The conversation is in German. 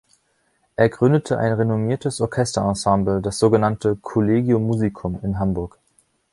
Er gründete ein renommiertes Orchesterensemble, das sogenannte „Collegium Musicum“ in Hamburg.